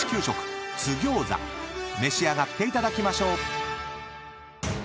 ［召し上がっていただきましょう］